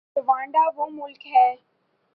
Rwanda وہ ملک ہے۔